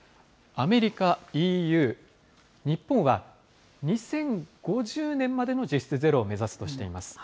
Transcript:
アメリカ、ＥＵ、日本は、２０５０年までの実質ゼロを目指すとしています。